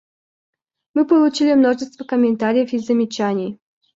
Мы получили множество комментариев и замечаний.